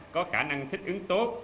có khả năng thích ứng tốt